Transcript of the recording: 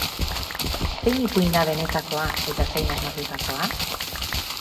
Zein ipuin da benetakoa eta zein asmatutakoa?